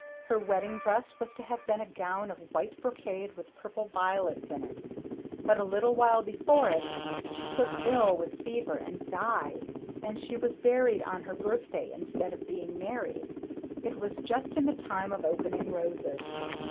Her wedding dress was to have been a gown of white brocade with purple violets in it. But a little while before it she took ill with fever and died; and she was buried on her birthday instead of being married. It was just in the time of opening roses.